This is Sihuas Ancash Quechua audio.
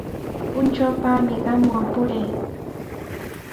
Puntrawpami qamwan purii.